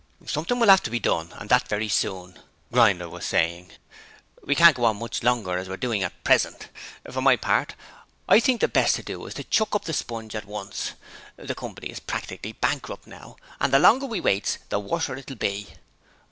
'Something will 'ave to be done, and that very soon,' Grinder was saying. 'We can't go on much longer as we're doing at present. For my part, I think the best thing to do is to chuck up the sponge at once; the company is practically bankrupt now, and the longer we waits the worser it will be.'